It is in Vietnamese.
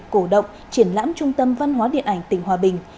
cổ động triển lãm trung tâm văn hóa điện ảnh tỉnh hòa bình